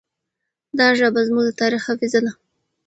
دا ژبه زموږ د تاریخ حافظه ده.